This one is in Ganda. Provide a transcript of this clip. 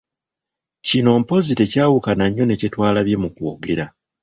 Kino mpozzi tekyawukana nnyo ne kye twalabye mu kwogera.